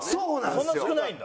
そんな少ないんだ。